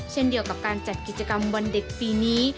เช่นเดียวกับการจัดกิจกรรมวันเด็กปีนี้